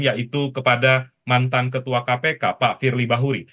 yaitu kepada mantan ketua kpk pak firly bahuri